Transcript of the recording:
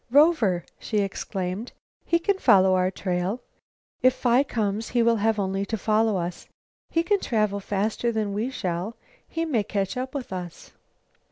"Rover!" she exclaimed. "He can follow our trail. If Phi comes, he will have only to follow us. He can travel faster than we shall. He may catch up with us."